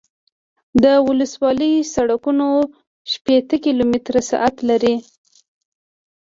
ولسوالي سرکونه شپیته کیلومتره سرعت لري